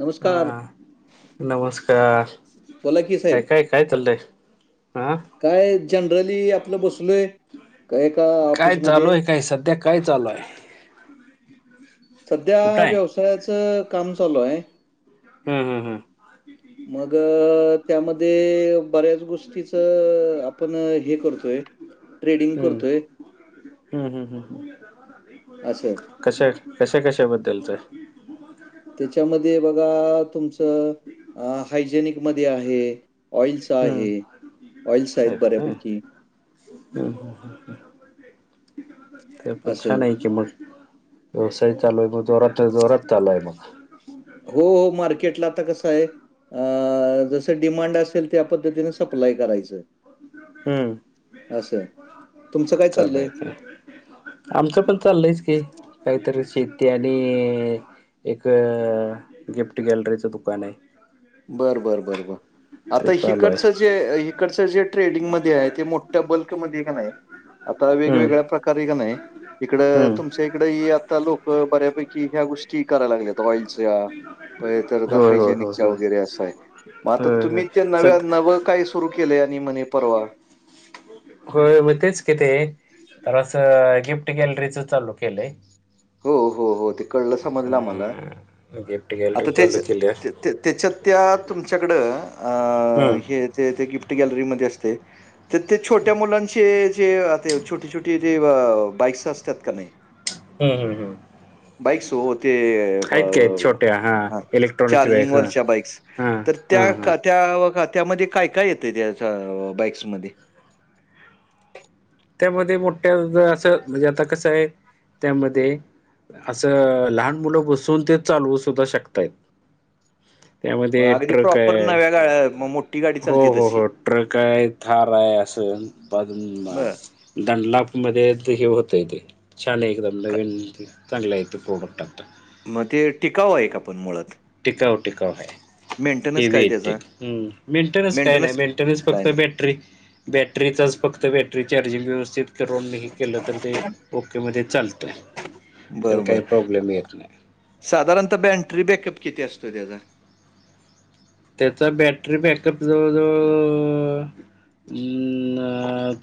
नमस्कार. हा, नमस्कार, बोला की साहेब. काय काय काय चाललय? आं. काय जनरली आपलं बसलोय. का एका काय चालू ऑफिसमध्ये. आहे काय सध्या काय चालू आहे? कुठं सध्या आहे व्यवसायाचं काम चालू आहे. हा हा हा. मग त्यामध्ये बऱ्याच गोष टीच आपण हे करतोय, ट्रेडिंग हम्म करतोय. हम्म हम्, असं. कशा कशा कशा बद्दलचय. त्याच्यामध्ये बघा तुमचं, हायजेनिक मध्ये आहे. ऑइलस हम्म आहे, ऑइल्स आहेत बऱ्यापैकी. हम् हम, ते पण असं. छान आहे कि मग. व्यवसाय चालू आहे मग जोरात जोरात चालू आहे मग. हो हो मार्केटला आता कसं आहे. अ जसं डिमांड असेल त्या पद्धतीने सप्लाय करायचं. हम्म असंया, तुमचं काय चालू आहे चाललंय? का आमचं पण चाललंयच की काहीतरी शेती आणि एक गिफ्ट गॅलरीचं दुकान आहे. बरं बरं बरं बर. ते आता चालू आहे हिकडचं जे इकडचं जे ट्रेडिंगमध्ये आहे ते मोठ्या बल्कमध्ये कानाय. आता हम्म वेगवेगळ्या प्रकारे कनाय, इकड हम्म तुमच्या इकड ही आता लोक बऱ्यापैकी की ह्या गोष्टी कराय लागल्यात ऑइलच्या, पाहिल तर होय होय हायजेनिक होय ता होय वगैरे अस हाय, मग आता होय होय तुम्ही ते नव्या सत नवं काय सुरू केलंय आणि म्हणे परवा. होय म तेच कि ते, तर असं गिफ्ट गॅलरीच चालू केलंय. हो हो हो ते कळलं समजलं आम्हाला. अ गिफ्ट गॅलरी चालू केलय. ते ते त्याच्यात त्या तुमच्याकडं अ हम्म हे ते ते गिफ्ट गॅलरीमध्ये असतय, त ते छोट्या मुलांशी जे छोटी छोटी ते बाईक्स असतात कानाय. हम् हम् हम. बाईक्स वो ते. की आहेत छोट्या हा [unintelligible] इलेक्ट्रॉनिक्स चार्जिंग बॅग्स हा वरच्या बाईक्स, हा तर हा त्या हा का त्या त्यामध्ये काय काय येतय त्या बाईक्समध्ये त्यामध्ये मोठ्या असं म्हणजे आता कसं आहे त्यामध्ये असं लहान मुलं बसून ते चालवू सुद्धा शकतायत. मग त्यामध्ये अगदी ट्रक प्रॉपर आहे, नव्या गाड्या म- मोठी गाडी हो चालते हो तशी. हो. ट्रेकय ारयासं बदून म बरं. दंडलाप मध्ये हे होतय ते छान एकदम क नवीन चांगल्या य ते प्रॉडक्ट आता म ते टिकाव एक आपण मुळात टिककाऊ टिकाऊ आहे हे मेंटेनन्स व काय येते त्याचा? हम् मेंटेनन्स काय नाही मेंटेनन्स काय फक्त नाही? बॅटरी बॅटरीचाच फक्त बॅटरी चार्जिंग व्यवस्थित करोन नाही केलं तर ते ओकेमध्ये चालतं आहे त्या बरं, बरं. काही प्रॉब्लेम येत नाही साधारणतः बॅटरी बॅकअप किती असतोय त्याचा त्याचा बॅटरी बॅकअप जवळ जवळ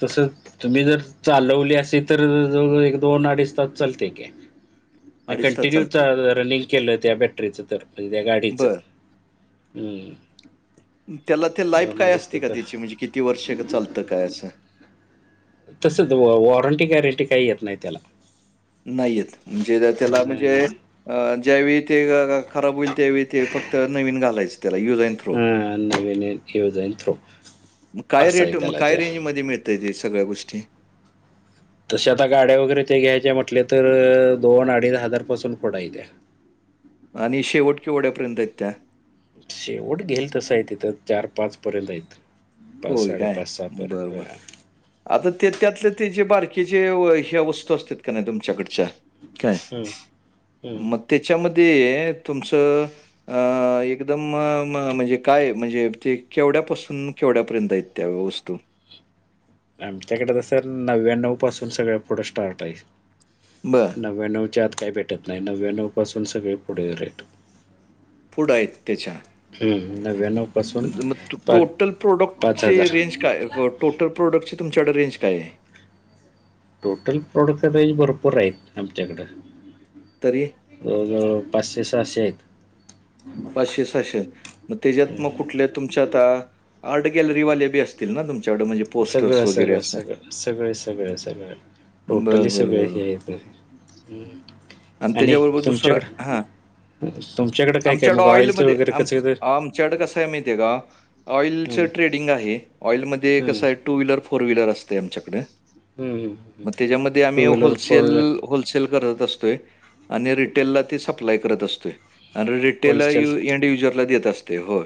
तसंच तुम्ही जर चालवली असेल तर ज एक दोन अडीच तास चालते का अडीच तास कंटिन्यू चालते रनिंग केलं हो त्या बॅटरीचं तर म्हणजे त्या गाडीचं बर ह त्याला ते लाईफ काय असती का त्याची म्हणजे किती वर्ष चालतं काय असं तसंच वॉरंटी गॅरंटी काही येत नाही त्याला नाहीेत म्हणजे त्याला म्हणजे नाही नाही अ ज्यावेळी ते खराब होईल त्यावेळी ते फक्त नवीन घालायचं त्याला युजन हो हां, नवीन यूज अँड थ्रो मग काय असं आहे रेट मग त्याला काय त्या रेंजमध्ये मिळते तर ते सगळ्या गोष्टी तसे आता गाड्या वगैरे ते घ्यायच्या म्हटले तर दोन अडीच हजार पासून पुोढा येत्या आणि शेवट किवढ्यापर्यंत आहेत त्या शेवट घेईल तसं आहे तिथं चार पाच पर्यंत आहेत पाच होय काय साडेपाच सहा बर पर्यंत बर होया आता ते त्यातले ते जे बारकीचे ह्या वस्तू असत का नाही तुमच्याकडच्या काय हम्म, हम्म. मग त्याच्यामध्ये तुमचं अ एकदम म्हणजे काय म्हणजे ते केवढ्यापासून केेवढ्यापर्यंत येत त्या वस्तू आमच्याकडे तर सर नव्याण्णव पासून सगळं पुढं स्टार्ट आहे बर नव्याणवच्या आत काही भेटत नाही नव्याण्णव पासून सगळे पुढे रातो पुढ आहेत त्याच्या हम्म न व्यान मग टोटल प्रोडक्टचे हजार रेंज काय टोटल प्रोडक्टचे तुमच्याकडे रेंज काय आहे टोटल प्रॉडक्ट अरेंज भरपूर आहेत आमच्याकडं तरी जवळजवळ पाचशे सहाशे आहेत. पाचशे सहाशे मग त्याच्यात हम्म. मग कुठल्या तुमच्या आता आर्ट गॅलरी वाले बी असतं सगळं सगळं सगळं सगळ सगळं सगळं टोटली बरं बरं सगळे बरं हे येत आणि त्याच्याबरोबर दुसरा हां तुमच्याकडं तुमच्याकडें काय काय आमच्याकडं मग ऑइलचं ऑइलमध्ये वगैरे आम कसं आमच्याकडं कसं आहे माहिती आहे का ऑइलचं ट्रेडिंग आहे ऑइलमध्ये कसं आहे. टू व्हीलर फोर व्हीलर असं आमच्याकडे मग त्यामध्ये आम्ही two wheeler four wholesale wheeler sale करत असतोय आणि रिटेलला ते सप्लाय करत असतते आणि रिटेल होलसेल यू एड युजरला देत असते होय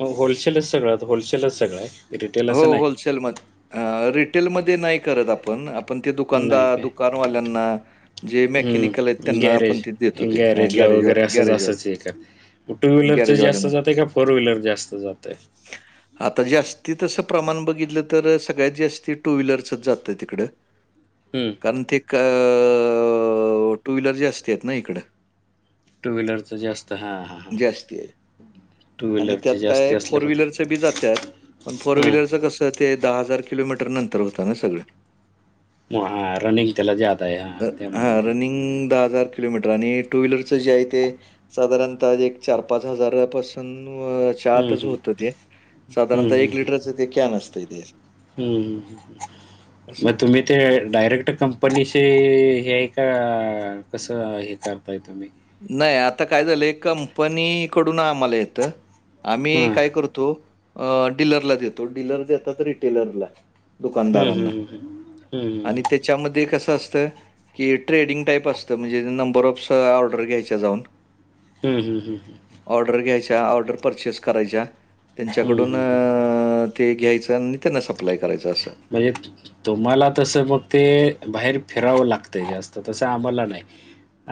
मग होलसेलच सगळं होलसेलच सगळं आहे रिटेल हो असं नाही होलसेलमध्ये रिटेलमध्ये नाही करत आपण आपण ते नाही दुकानदार काय दुकानवाल्यांना जे हम्म. मेकनिकल आहेत त्यांना आपण गॅरेज देतो ते गॅरेजला वगैरे गॅरेजवाल गॅरेजवाल असंंच एक टू व्हीलरच गॅरेजवाल्यांना जास्त जातेय का फोर व्हीलर जास्त जातय. आता जास्त ती तसं प्रमाण बघितलं तर सगळ्यात जास्त टू व्हीलरसच जातं तिकडं. हम्म. कारण ते कअ अ अ अ अ अ अ अ टू व्हीलर जास्ती आहेत ना इकडं. टू व्हीलर तर जास्त हा हा. जास्ती आहे. आणि त्यात काय फोर व्हीलरच बी जातात. पण फोर ते हां व्हीलरचं कसं ते दहा हजार किलोमीटर नंतर होत ना सगळे. मग हां रनिंग त्याला जात आहे हां त्यामुळे हा ते रनिंग दहा हजार किलोमीटरां आणि टू व्हिलरचे जे आहे ते साधारणतः एक चार पाच हजारपासून हम्म, आतच हम्म. होत ते साधारण हम्म, हम्म, हम्म. ते कॅन असतंय ते हम्म असं. मग तुम्ही ते डायरेक्ट कंपनीशी हे आहे का कसं हे करताय तुम्ही नाही आता काय झालं कंपनी कडून आम्हाला येत. आम्ही हां. काय करतो अ डीलरला देतो डीललर देतात रिटेलरला. हं, दुकानदारांना हं, हं, हं. हं, हं, आणि हं. त्या त्याच्यामध्ये कसं असतं की ट्रेडिंग टाईप असतं तर म्हणजे नंबर ऑफ स ऑर्डर घ्यायच्या जाऊन. हम्म हम्म हम्म. ऑर्डर घ्यायच्या ऑर्डर परचेस करायच्या हं, त्यांच्याकडून अ हं, हं. अ ते घ्यायचं आणि त्यांना सप्लाय करायचं असं. म्हणजे [inaudible] तुम्हाला तसं मग ते बाहेर फिरावं लागतंय जास्त तसं आम्हाला नाही.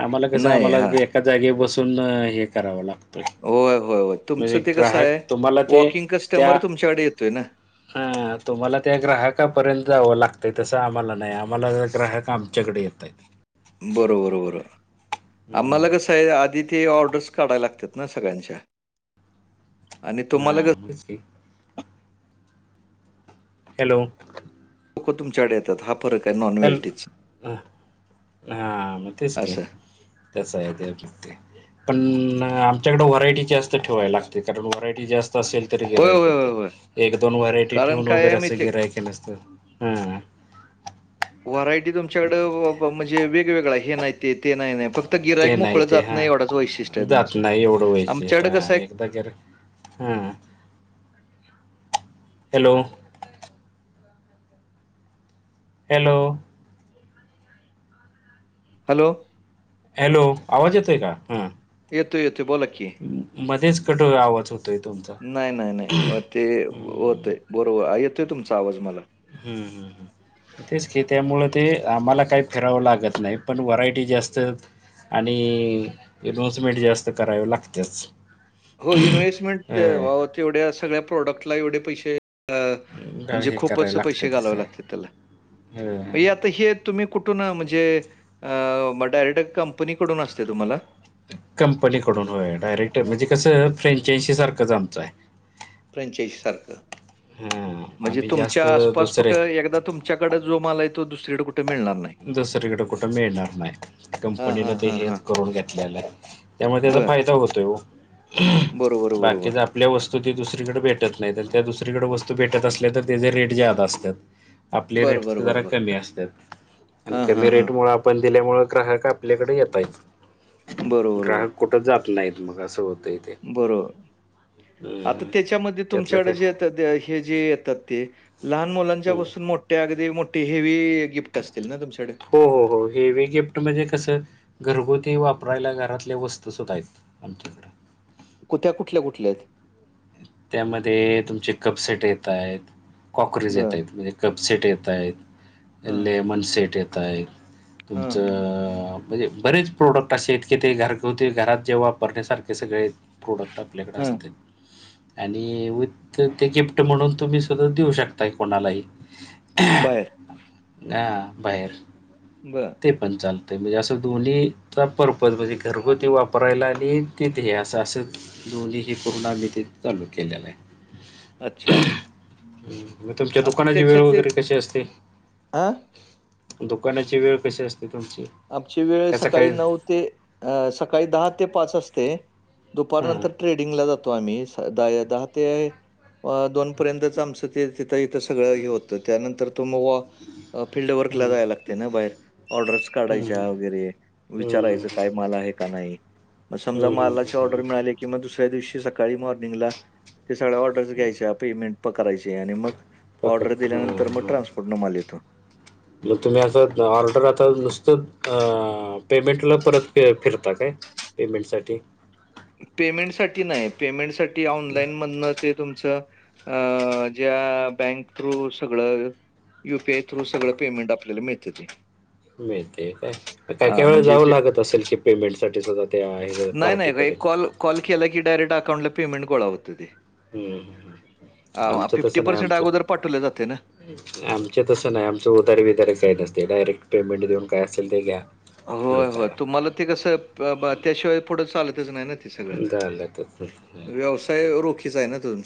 आम्हाला कसं नाही आम्हाला हां. एका जागे बसून हे करावं लागतं. होय, होय, होय. म्हणजे तुमचं ते कसं ग्राहक आहे, तुम्हाला ते वॉकिंग कस्टमर त्या तुमच्याकडे येतोय ना. हा तुम्हाला त्या ग्राहकापर्यंत जावं लागतं तसं आम्हाला नाही आम्हाला ग्राहक आमच्याकडे येतय. बरोबर बरोबर हं. आम्हाला कसं आधी ते ऑर्डर्स काढायला लागतात ना सगळ्यांच्या. आणि हा तुम्हाला कसं बस की. हॅलो. तुमच्याडे येतात हा फरक आहे नॉन हल व्हेल्टीचा हा मग तेच की असं त्यासं आहे ते फक्ती पण आमच्याकडे व्हरायटी जास्त ठेवायला लागते कारण व्हरायटी जास्त असेल तरी होय गिरायक होय होय ते होय एक दोन व्हरायटी कारण ठेवून काय आहे वगैरे असं माहिती गिरायक नसतं. हा. व्हरायटी तुमच्याकडं व व म्हणजे वेगवेगळा हे नाही ते ते नाही नाही फक्त ते गिरायक नाही मोकळं ते जात हा एवढाच वैशिष्ट्य आहे जात तुमचं नाही एवढं वैशिष्ट्य आमच्याकडे कसं व्हायच आहे एकद गेल हा हॅलो. हॅलो. हॅलो. हॅलो! आवाज येत आहे? का हां. येत येतो बोला की. मध्येच कट आवाज होतोय तुमचा? नाही नाही नाही अ, ते हम्म. होतय, बरोबर येतोय तुमचा आवाज मला. ह ह ह. तेच की, त्यामुळे ते आम्हाला काही फिरावं लागत नाही पण व्हरायटी जास्त आणि इनाऊन्समेंट जास्त करावे लागत्याचं. हो इन्व्हेस्टमेंट वाव तेवढ्या सगळ्या प्रोडक्टला एवढे पैसे अ काय म्हणजे हे करायला खूपच पैसे लागतातच घालावे काय लागते त्याला होय. मग आता हे तुम्ही कुठून म्हणजे अ डायरेक्ट कंपनीकडून असते तुम्हाला. कंपनीकडून होय डायरेक्ट म्हणजे कसं फ्रँचायजी सारखं जामचं आहे. फ्रेचाईजी सारखं हा म्हणजे आम्ही तुमच्या जास्त आसपास दुसरे कुठं एकदा तुम आमच्याकडं जो माल आहे तो, दुसरीकडे कुठे मिळणार नाही. दुसरीकडे कुठं मिळणार नाही, हा हा कंपनीने ते हा हा हेच करून घेतलेलं आहे. त्यामुळे त्याचा बर फायदा होतोय ओ. बरोबर बर बाकीच आपल्या वस्तू ती दुसरीकडे भेटत नाही, त्या दुसरीकडे वस्तू त भेटत असले तर, त्याचे रेट ज्यादा असतात आपले बर बर रेटचं जरा बरोबर कमी असत्यात. आणि हा हा कमी हा रेट मुळ, आपण दिल्यामुळे ग्राहक आपल्याकडे येतय बरोबर बरोबर ग्राहक कुठं जात नाहीत, मग असं होतय. बरोबर आता त्याच्या मध्ये त्यातलं तुमच्या कड ते जे येतात हे जे येतात ते लहान मुलांच्या हम्म. पासून मोठ्या अगदी मोठी हेवी गिफ्ट असतील ना तुमच्याकडे? हो हो हो, हेवी गिफ्ट म्हणजे कसं घरगुती वापरायला घरातले वस्तू सुध्दा आहेत. आमच्याकडं. कुठ्या- कुठल्या कुठल्या आहेत? त्यामध्ये तुमचे कप सेट येतायेत. कॉक्रेज येत बर आहेत, म्हणजे कपसेट येत आहेत हा लेमन सेट येत आहेत. हा तुमचं अ म्हणजे बरेच प्रोडक्ट असे, इतके ते घरगुती घरात जे वापरण्यासारखे सगळे. प्रोडक्ट आपल्याकडे हा असतयं. आणि विथ ते गिफ्ट म्हणून तुम्ही सुद्धा देऊ शकताय, कोणालाही बाहेर हा बाहेर. बरं. ते पण चालतय, म्हणजे असं दोन्ही पर्पज म्हणजे घरगुती वापरायला आणि तिथ हे असं असं दोन्ही ही पूर्णमती चालू केलेलं आहे. अच्छा! म तुमच्या आता दुकानाची वेळ त्याच्यातले वगैरे कशी असते? अ दुकानाची वेळ कशी असते तुमची? आमची वेळ त्याचा काही सकाळी नऊ ते सकाळी दहा ते पाच असते, हां हं, दुपारनंतर ट्रेडिंगला जातो आम्ही स-दहा ते- अ दोन पर्यंतच आमचं ते तिथं इथं सगळं हे होतं त्यानंतर तो मग फिल्ड वर्कला हं, जायला लागतयं ना, बाहेर ऑर्डर्स हं. हं, काढायच्या वगैरे हं, विचारायच हं, काय हं. माल आहे का नाही, म समजा हं, हं, मालाची हं, ऑर्डर हं. मिळाली. कि मग, दुसऱ्या दिवशी सकाळी मॉर्निंगला ते सगळ्या ऑर्डर्स घ्यायच्या, पेमेंट पे करायचे आणि मग ऑर्डर तसंच. हं, दिल्यानंतर मग, हं. ट्रान्सपोर्ट न माल येतो. मग तुम्ही असं ऑर्डर आता नुसतं अ पेमेंटला परत फ -फिरता काय पेमेंट साठी? पेमेंट साठी नाही पेमेंट साठी हं, ऑनलाईन म्हणणं ते तुमचं अ ज्या बँक थ्रू सगळं यु पी आय थ्रू सगळं पेमेंट आपल्याला मिळत ते. मिळते काय काय काही हां, वेळ म्हणजे जाऊ जे लागत असेल की, पेमेंट साठी सुद्धा? ते आहे ज नाही, नाही. एक पार्टीपर्यंत. कॉल कॉल केला की, डायरेक्ट अकाउंटला पेमेंट गोळा होत ते. ह ह. आवा फिफ्टी पर्सेंट अगोदर पाठवले जाते ना, आमच तसं नाही आमचं उदारे, विदारे, काही नसते डायरेक्ट पेमेंट देऊन काय असेल ते घ्या. हे होय होय करा. तुम्हाला तीथ सप ब त्या शिवाय पुढं चालतच नाही ना, ते सगळ झालं तर. हं, हं. व्यवसाय रोखीचा आहे ना, तुमच